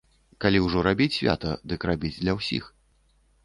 Калі ўжо рабіць свята, дык рабіць для ўсіх.